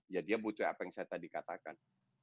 ya dia butuh apa yang saya tadi katakan